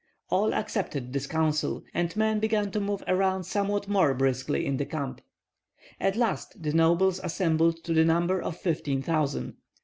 All accepted this counsel, and men began to move around somewhat more briskly in the camp. At last the nobles assembled to the number of fifteen thousand.